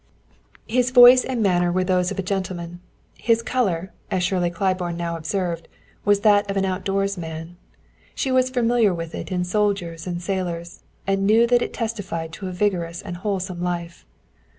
His voice and manner were those of a gentleman. His color, as Shirley Claiborne now observed, was that of an outdoors man; she was familiar with it in soldiers and sailors, and knew that it testified to a vigorous and wholesome life.